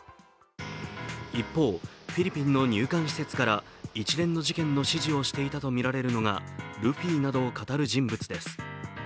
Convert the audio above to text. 一方、フィリピンの入管施設から一連の事件の指示をしていたとみられるのがルフィなどを語る人物です。